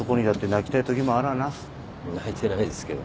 泣いてないですけど。